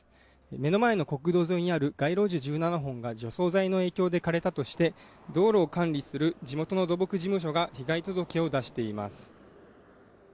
目の前の国道沿いにある街路樹１７本が除草剤の影響で枯れたとして道路を管理する地元の土木事務所が被害届を出しています。